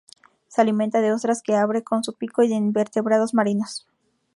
Se alimenta de ostras que abre con su pico y de invertebrados marinos.